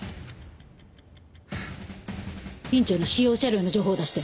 院長の使用車両の情報を出して。